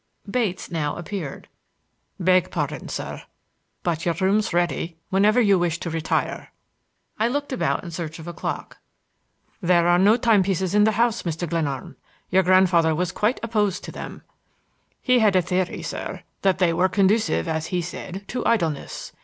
Bates now appeared. "Beg pardon, sir; but your room's ready whenever you wish to retire." I looked about in search of a clock. "There are no timepieces in the house, Mr. Glenarm. Your grandfather was quite opposed to them. He had a theory, sir, that they were conducive, as he said, to idleness.